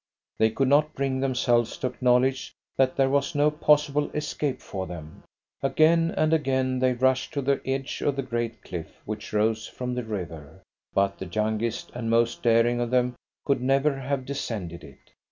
They could not bring themselves to acknowledge that there was no possible escape for them. Again and again they rushed to the edge of the great cliff which rose from the river, but the youngest and most daring of them could never have descended it.